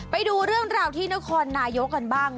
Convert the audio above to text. ไปดูเรื่องราวที่นครนายกกันบ้าง